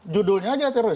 judulnya saja teroris